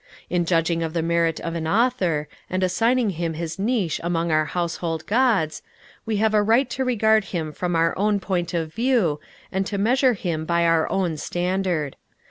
In judging of the merit of an author, and assigning him his niche among our household gods, we have a right to regard him from our own point of view, and to measure him by our own standard.